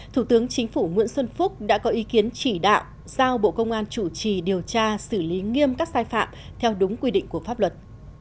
thủ tướng chính phủ nguyễn xuân phúc đã có ý kiến chỉ đạo giao bộ công an chủ trì điều tra xử lý nghiêm các sai phạm theo đúng quy định của pháp luật